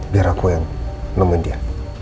biar aku yang nemenin dia